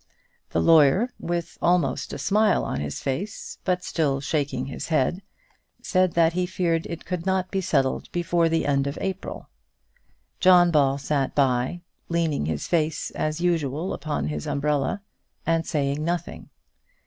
The lawyer, with almost a smile on his face, but still shaking his head, said that he feared it could not be settled before the end of April. John Ball sat by, leaning his face, as usual, upon his umbrella, and saying nothing.